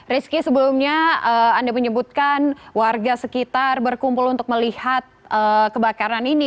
rizky sebelumnya anda menyebutkan warga sekitar berkumpul untuk melihat kebakaran ini